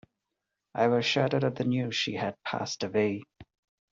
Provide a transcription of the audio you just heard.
I was shattered at the news she had passed away.